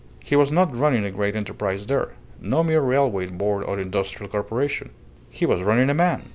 He was not running a great enterprise there; no mere railway board or industrial corporation. He was running a man!